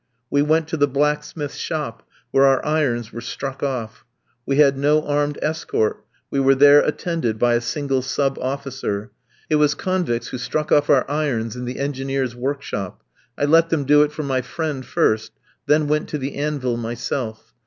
We went to the blacksmith's shop, where our irons were struck off. We had no armed escort, we went there attended by a single sub officer. It was convicts who struck off our irons in the engineers' workshop. I let them do it for my friend first, then went to the anvil myself.